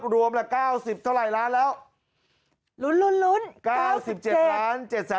รวมละ๙๐เท่าไหร่ล้านแล้ว